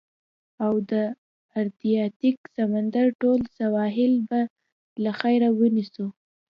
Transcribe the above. او د ادریاتیک سمندر ټول سواحل به له خیره، ونیسو.